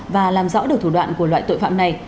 và làm rõ được thủ đoạn của loại tội phạm này